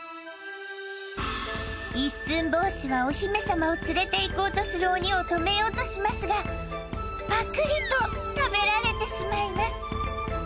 一寸法師はお姫様を連れていこうとする鬼を止めようとしますがパクリと食べられてしまいます